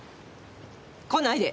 来ないで！